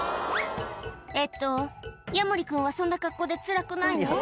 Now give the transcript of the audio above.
えっとヤモリ君はそんな格好でつらくないの？